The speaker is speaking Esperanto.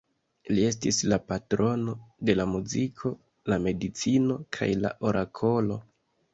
Li estis la patrono de la muziko, la medicino, kaj la orakolo.